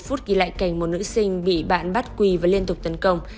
vút kỳ lại cảnh một nữ sinh bị bạn bắt quỳ và liên tục tấn công